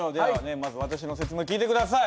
まず私の説明聞いて下さい。